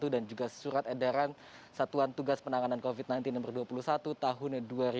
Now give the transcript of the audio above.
dan juga surat edaran satuan tugas penanganan covid sembilan belas no dua puluh satu tahun dua ribu dua puluh satu